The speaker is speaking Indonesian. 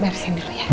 barusin dulu ya